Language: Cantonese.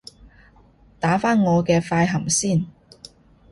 打返我嘅快含先